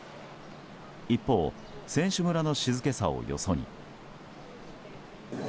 一方選手村の静けさをよそに。